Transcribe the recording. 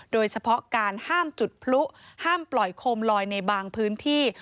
โดยเฉพาะการห้ามจุดพลุห้ามปล่อยโคมลอยในบางพื้นที่